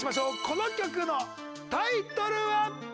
この曲のタイトルは？せーの。